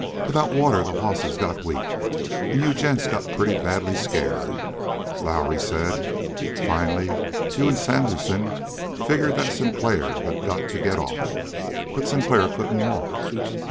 Without water the hosses got weak, and you gents got pretty badly scared, Lowrie said. Finally you and Sandersen figured that Sinclair had got to get off, but Sinclair couldn't walk.